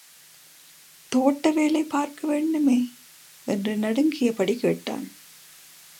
தோட்டவேலை பார்க்க வேண்டுமே! என்று நடுங்கியபடி கேட்டான்.